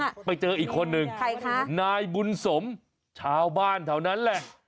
ไหนจะไปเจออีกคนหนึ่งนายบุญสมชาวบ้านเท่านั้นแหละ